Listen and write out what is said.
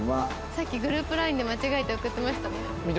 さっきグループＬＩＮＥで間違えて送ってましたね。